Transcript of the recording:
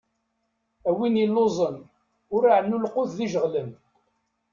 A win illuẓen, ur ɛennu lqut d-ijeɣlen!